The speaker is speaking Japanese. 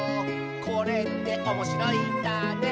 「これっておもしろいんだね」